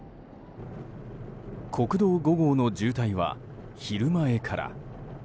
国道５号の渋滞は昼前から。